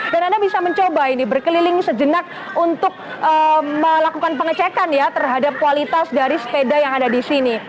dan anda bisa mencoba ini berkeliling sejenak untuk melakukan pengecekan terhadap kualitas dari sepeda yang ada di sini